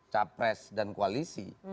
capres dan koalisi